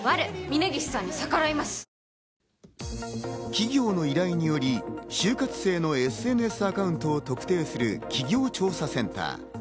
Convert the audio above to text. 企業の依頼により就活生のＳＮＳアカウントを特定する企業調査センター。